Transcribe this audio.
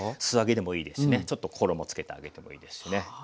素揚げでもいいですしねちょっと衣つけてあげてもいいですしね。